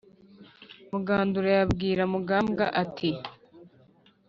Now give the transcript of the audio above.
mugandura yabwira mugambwa ati